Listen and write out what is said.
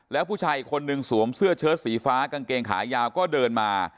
แล้วผู้ชายอีกคนนึงสวมเสื้อเชิดสีฟ้ากางเกงขายาวก็เดินมา